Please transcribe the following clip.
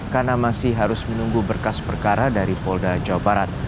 karena masih harus menunggu berkas perkara dari polda jawa barat